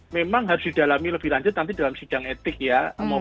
memang harus didalami lebih lanjut nanti dalam sidang etik ya